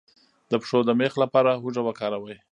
د پښو د میخ لپاره هوږه وکاروئ